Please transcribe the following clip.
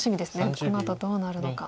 このあとどうなるのか。